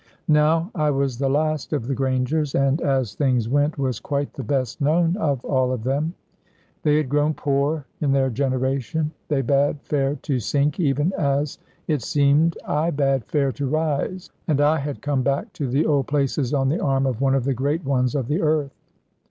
Now I was the last of the Grangers and, as things went, was quite the best known of all of them. They had grown poor in their generation; they bade fair to sink, even as, it seemed, I bade fair to rise, and I had come back to the old places on the arm of one of the great ones of the earth.